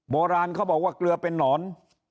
โบราณเขาบอกว่าเกลือเป็นนอน